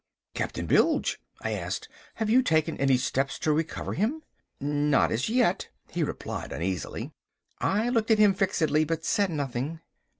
"Captain Bilge," I asked, "have you taken any steps to recover him?" "Not as yet," he replied uneasily. I looked at him fixedly, but said nothing.